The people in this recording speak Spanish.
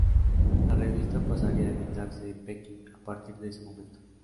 La revista pasaría a editarse en Pekín a partir de ese momento.